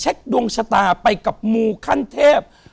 เช็คดวงชาตาไปกับหมู่คันเทพ